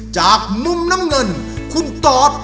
จากมุมน้ำเงินคุณตอด